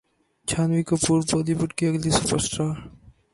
Jhanvi Kapoor Bollywood کی اگلی super star